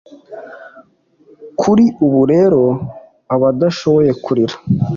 Kuri ubu rero abadashoboye kurira